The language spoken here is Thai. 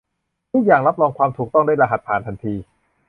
ทุกอย่างรับรองความถูกต้องด้วยรหัสผ่านทันที